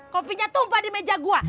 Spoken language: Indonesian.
kopinya tumpah di meja gue